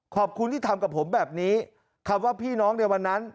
ขอบคุณที่ทำกับผมแบบนี้คำว่าพี่น้องในวันนั้น